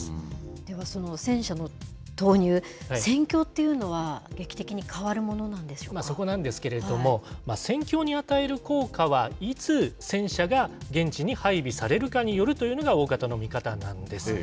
では、その戦車の投入、戦況というのは、劇的に変わるものなそこなんですけれども、戦況に与える効果は、いつ戦車が現地に配備されるかによるというものが大方の見方なんです。